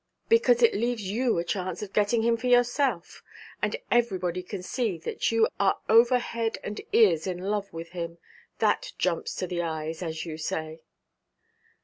'Because it leaves you a chance of getting him for yourself; and everybody can see that you are over head and ears in love with him. That jumps to the eyes, as you say.'